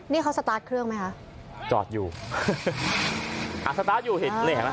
นี่เขาสตาร์ทเครื่องไหมคะจอดอยู่อ่าสตาร์ทอยู่เห็นนี่เห็นไหม